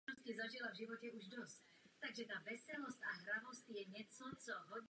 Počátek trati se nachází v nádraží Železný Brod.